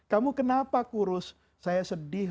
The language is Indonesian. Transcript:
kamu kenapa kurus saya sedih